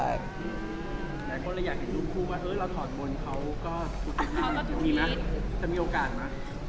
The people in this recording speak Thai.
และคนอื่นอยากเห็นลูกคู่ว่าเออเราถอดบนเขาก็